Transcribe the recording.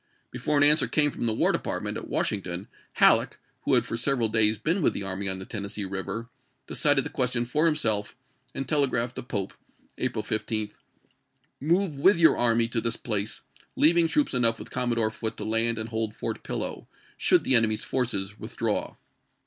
" Before an answer came from the War Department at Washington, Halleck, who had for several days Vjeen with the army on the Tennessee Eiver, de cided the question for himself and telegraphed to Pope (April 15), " Move with yom* army to this I)lace, leaving troops enough with Commodore Foote to land and hold Fort Pillow, should the enemy's forces withdraw."